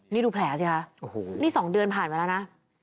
นี่ดูแผลสิคะนี่๒เดือนผ่านมาแล้วนะ